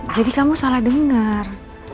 jadi kamu salah dengar